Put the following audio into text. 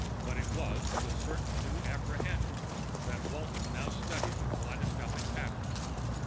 But it was with a certain new apprehension that Walton now studied the kaleidoscopic pattern.